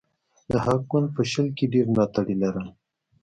د هغه ګوند په شل کې ډېر ملاتړي لرل.